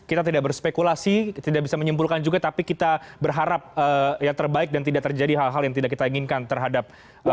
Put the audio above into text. kita tidak berspekulasi tidak bisa menyimpulkan juga tapi kita berharap yang terbaik dan tidak terjadi hal hal yang tidak kita inginkan terhadap